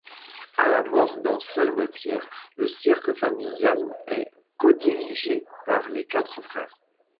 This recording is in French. À la mort d'Anselme-Pierre, le cirque familial est codirigé par les quatre frères.